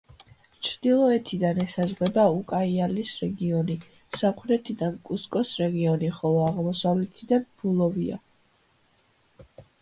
ჩრდილოეთიდან ესაზღვრება უკაიალის რეგიონი, სამხრეთიდან კუსკოს რეგიონი, ხოლო აღმოსავლეთიდან ბოლივია.